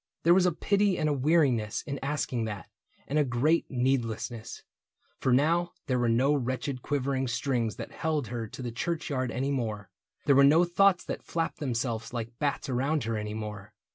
There was a pity and a weariness In asking that, and a great needlessness ; For now there were no wretched quivering strings That held her to the churchyard any more : There were no thoughts that flapped themselves like bats Around her any more.